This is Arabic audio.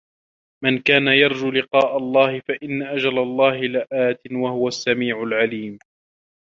مَن كانَ يَرجو لِقاءَ اللَّهِ فَإِنَّ أَجَلَ اللَّهِ لَآتٍ وَهُوَ السَّميعُ العَليمُ